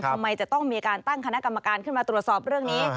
ทำไมจะต้องมีการตั้งคณะกรรมการขึ้นมาตรวจสอบเรื่องนี้